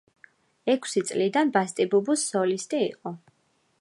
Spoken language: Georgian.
ექვსი წლიდან ბასტი-ბუბუს სოლისტი იყო.